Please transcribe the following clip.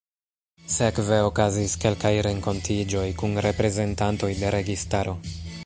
Sekve okazis kelkaj renkontiĝoj kun reprezentantoj de registaro.